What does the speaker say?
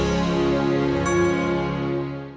ini sepi banget tanpa mama